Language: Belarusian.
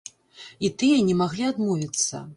І тыя не маглі адмовіцца.